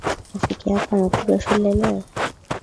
Rafiki yako amekuja shule leo?